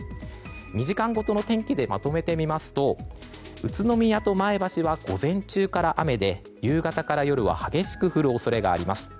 ２時間ごとの天気でまとめてみますと宇都宮と前橋は午前中から雨で夕方から夜は激しく降る恐れがあります。